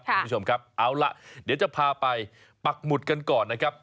คุณผู้ชมครับเอาล่ะเดี๋ยวจะพาไปปักหมุดกันก่อนนะครับ